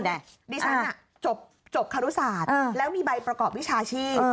ดิฉันจบคารุศาสตร์แล้วมีใบประกอบวิชาชีพ